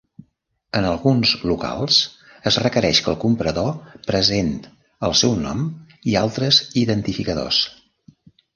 En alguns locals es requereix que el comprador present el seu nom i altres identificadors.